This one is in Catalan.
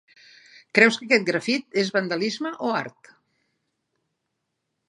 Creus que aquest grafit és vandalisme o art?